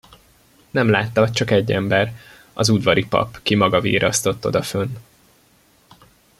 Nem látta, csak egy ember: az udvari pap, ki maga virrasztott odafönn.